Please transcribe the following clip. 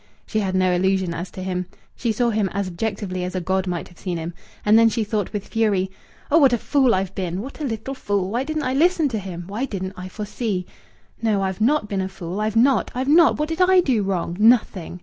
She had no illusion as to him. She saw him as objectively as a god might have seen him. And then she thought with fury: "Oh, what a fool I've been! What a little fool! Why didn't I listen to him? Why didn't I foresee?... No, I've not been a fool! I've not! I've not! What did I do wrong? Nothing!